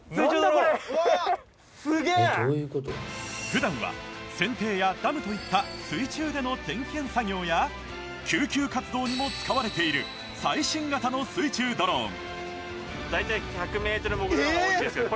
普段は船底やダムといった水中での点検作業や救急活動にも使われている最新型の水中ドローン大体１００メートル潜るのが多いんですけど。